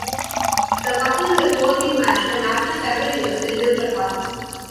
The couple were poorly matched and after several years they lived apart.